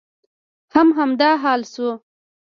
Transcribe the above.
هم همدا حال شو.